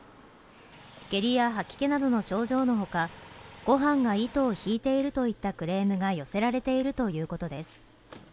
下痢や吐き気などの症状のほかご飯が糸を引いてるといったクレームが寄せられているということです